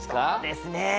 そうですね